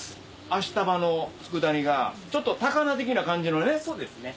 あしたばのつくだ煮がちょっと高菜的な感じのね。